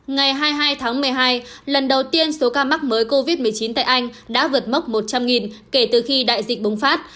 ngày hai mươi hai tháng một mươi hai lần đầu tiên số ca mắc mới covid một mươi chín tại anh đã vượt mốc một trăm linh kể từ khi đại dịch bùng phát